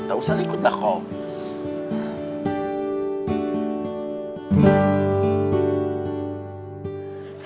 gak usah liput lah kok